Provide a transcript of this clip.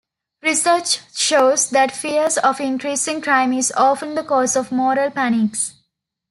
Research shows that fears of increasing crime is often the cause of moral panics.